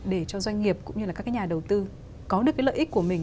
để cho doanh nghiệp cũng như là các cái nhà đầu tư có được cái lợi ích của mình